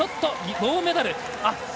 銅メダル。